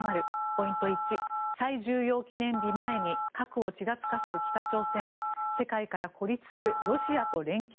ポイント１、最重要記念日前に核をちらつかせる北朝鮮世界から孤立するロシアと連携。